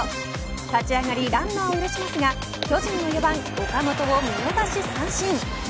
立ち上がりランナーを許しますが巨人の４番、岡本を見逃し三振。